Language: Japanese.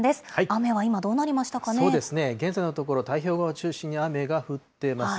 雨は今、そうですね、現在のところ、太平洋側中心に雨が降ってます。